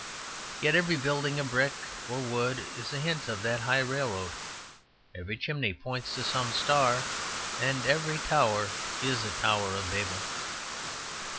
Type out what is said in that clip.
Yet every building of brick or wood is a hint of that high railroad; every chimney points to some star, and every tower is a Tower of Babel.